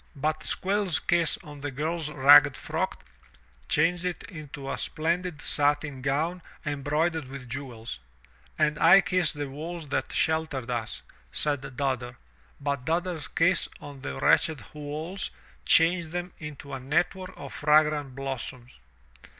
But Squiirs kiss on the girFs ragged frock changed it into a splendid satin gown embroidered with jewels. And I kiss the walls that sheltered us," said Dodder. But Dodder's kiss on the wretched walls changed them into a network of fragrant blossoms.